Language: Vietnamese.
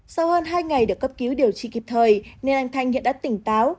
sau hơn hai ngày được cấp cứu điều trị kịp thời nên anh thanh hiện đã tỉnh táo